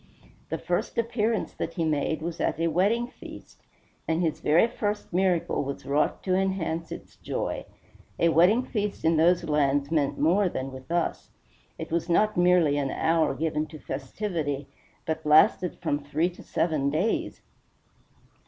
The first appearance that he made was at a wedding feast, and his very first miracle was wrought to enhance its joy. A wedding feast in those lands meant more than with us. It was not merely an hour given to festivity, but lasted from three to seven days.